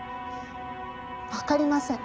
わかりません。